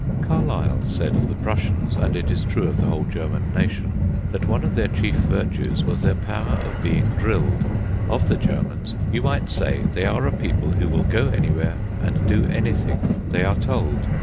Carlyle said of the Prussians, and it is true of the whole German nation, that one of their chief virtues was their power of being drilled. Of the Germans you might say they are a people who will go anywhere, and do anything, they are told.